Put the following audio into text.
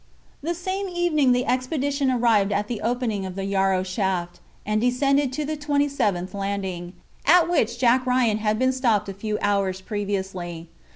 The same evening the expedition arrived at the opening of the Yarrow shaft, and descended to the twenty seventh landing, at which Jack Ryan had been stopped a few hours previously.